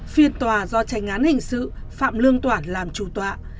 phiền tòa do tranh án hình sự phạm lương toản làm trù tọa